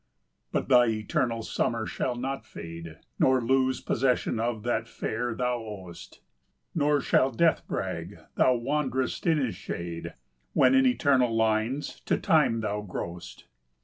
But thy eternal summer shall not fade, Nor lose possession of that fair thou owest; Nor shall death brag thou wanderest in his shade, When in eternal lines to time thou growest.